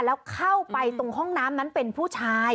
แล้วเข้าไปตรงห้องน้ำนั้นเป็นผู้ชาย